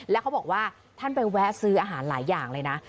แล้วเขาบอกว่าท่านไปแวะซื้ออาหารหลายอย่างเลยนะ